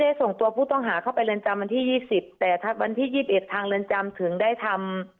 ส่งตัวผู้ต้องหาเข้าไปเรือนจำวันที่ยี่สิบแต่ถ้าวันที่๒๑ทางเรือนจำถึงได้ทำ